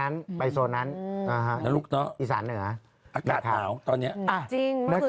อันนี้ของหญิงลีอยู่ที่นี่